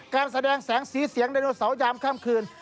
การแสดงแสงสีเสียงไดโนเสาร์ยามค่ำคืน